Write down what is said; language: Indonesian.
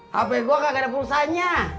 hape gue kagak ada pulsanya